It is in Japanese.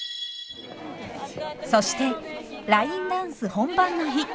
そしてラインダンス本番の日。